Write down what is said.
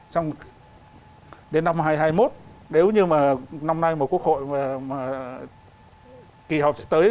xong đến năm hai nghìn hai mươi một nếu như mà năm nay mà quốc hội mà kỳ họp sẽ tới